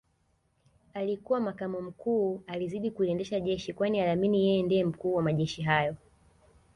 Alikuwa makamu mkuu alizidi kuliendesha jeshi kwani aliamini yeye ndio mkuu wa majeshi hayo